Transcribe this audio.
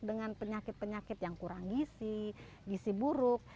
dengan penyakit penyakit yang kurang gizi gizi buruk